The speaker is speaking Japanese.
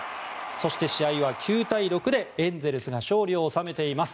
そして、試合は９対６でエンゼルスが勝利を収めています。